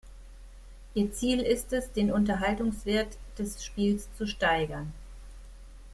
Ihr Ziel ist es, den Unterhaltungswert des Spiels zu steigern.